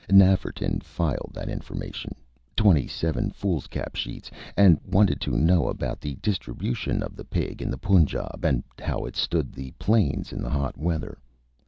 Nafferton filed that information twenty seven foolscap sheets and wanted to know about the distribution of the Pig in the Punjab, and how it stood the Plains in the hot weather.